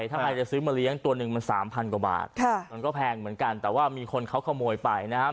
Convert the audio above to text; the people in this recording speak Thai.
ทำไมจะซื้อมาเลี้ยงตัวหนึ่งมันสามพันกว่าบาทมันก็แพงเหมือนกันแต่ว่ามีคนเขาขโมยไปนะครับ